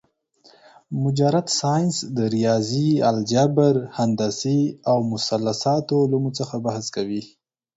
مجرد ساينس د رياضي ، الجبر ، هندسې او مثلثاتو علومو څخه بحث کوي